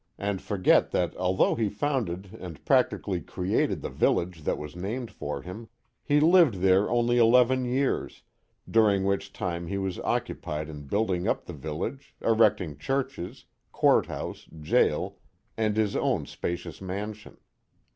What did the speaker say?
and forget that although he founded and practically created the village that was named for him, he lived there only eleven years, during which time he was occupied in building up the village, erecting churches, court house, jail, and his own spacious mansion.